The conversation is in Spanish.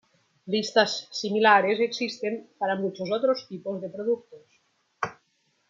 Listas similares existen para muchos otros tipos de productos.